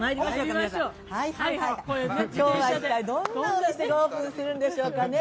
きょうは一体どんなお店がオープンするんでしょうかね。